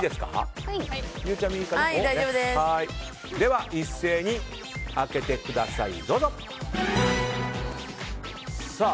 では、一斉に開けてください。